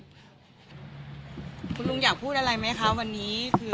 คุณลุงอยากพูดอะไรไหมคะวันนี้คือ